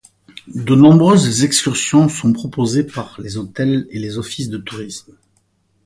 De nombreuses excursions sont proposées par les hôtels et les offices de tourisme.